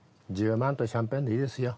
１０万とシャンペンでいいですよ。